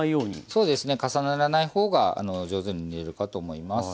そうですね重ならない方が上手に煮えるかと思います。